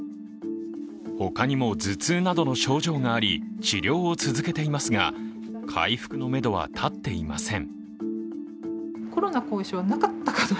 他にも頭痛などの症状があり治療を続けていますが、回復のめどは立っていません。